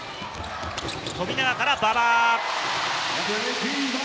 富永から馬場。